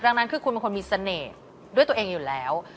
ดังนั้นคือคุณเป็นคนมีเสน่ห์ด้วยตัวเองอยู่แล้ว